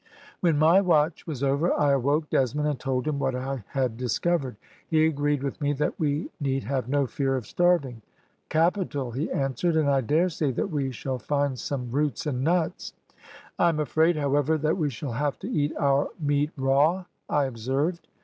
"When my watch was over, I awoke Desmond, and told him what I had discovered; he agreed with me that we need have no fear of starving. "`Capital!' he answered, `and I dare say that we shall find some roots and nuts.' "`I am afraid, however, that we shall have to eat our meat raw,' I observed.